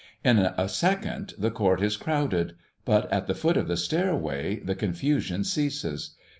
In a second the court is crowded; but at the foot of the stairway the confusion ceases.